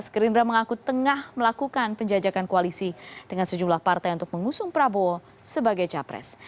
gerindra mengaku tengah melakukan penjajakan koalisi dengan sejumlah partai untuk mengusung prabowo sebagai capres